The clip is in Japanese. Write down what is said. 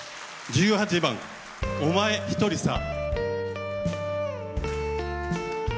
１８番「おまえひとりさ」。